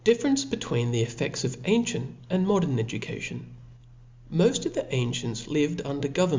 DifereHce hettveen the EffeBs of aticitht and modern Education. OK TV/TpST of the ancients lived under govcrn p/^.